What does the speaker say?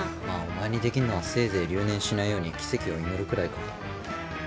まあお前にできんのはせいぜい留年しないように奇跡を祈るくらいか。